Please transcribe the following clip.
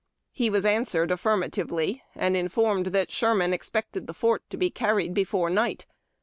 He was answered affirmatively, and informed that Sherman expected the fort to be carried before night.